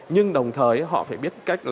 nhưng đồng thời họ phải biết cách